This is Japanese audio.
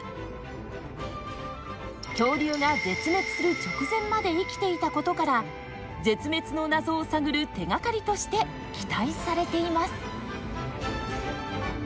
恐竜が絶滅する直前まで生きていたことから絶滅の謎を探る手がかりとして期待されています！